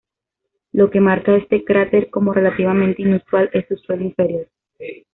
Lo que marca este cráter como relativamente inusual es su suelo interior.